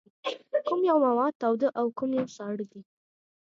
کوم یو مواد تاوده او کوم یو ساړه دي؟